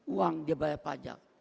uang dibayar pajak